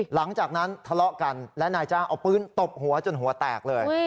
หลังจากนั้นทะเลาะกันและนายจ้างเอาปืนตบหัวจนหัวแตกเลย